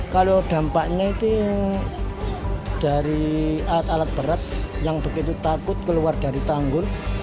kalau dampaknya itu dari alat alat berat yang begitu takut keluar dari tanggul